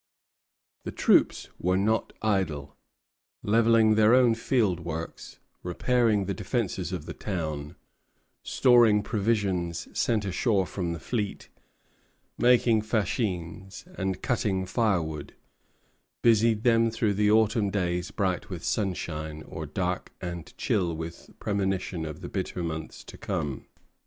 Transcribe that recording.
The troops were not idle. Levelling their own field works, repairing the defences of the town, storing provisions sent ashore from the fleet, making fascines, and cutting firewood, busied them through the autumn days bright with sunshine, or dark and chill with premonition of the bitter months to come.